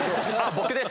僕です。